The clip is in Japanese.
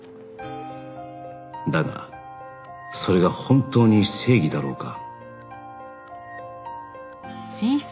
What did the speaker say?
だがそれが本当に正義だろうか